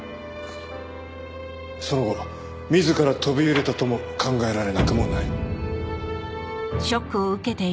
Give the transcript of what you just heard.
その後自ら飛び降りたとも考えられなくもない。